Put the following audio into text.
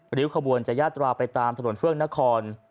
ริ้วขบวนจะยาตราไปตามถนนเฟื่องนคร